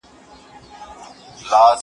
زه له سهاره د ښوونځی لپاره تياری کوم!